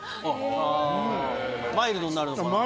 マイルドになるのかな。